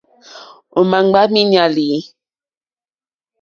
Ò ma ŋgba miinyali?